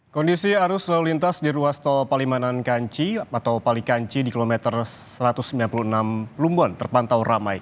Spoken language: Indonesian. kondisi arus lalu lintas di ruas tol palimanan kanci atau palikanci di kilometer satu ratus sembilan puluh enam plumbon terpantau ramai